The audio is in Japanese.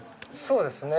そうですね。